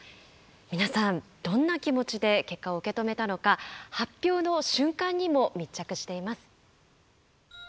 皆さんどんな気持ちで結果を受け止めたのか発表の瞬間にも密着しています。